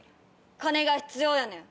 金が必要やねん。